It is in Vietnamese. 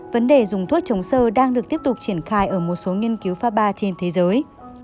vấn đề dùng thuốc chống sơ đang được tiếp tục triển khai ở một số nghiên cứu phá ba trên thế giới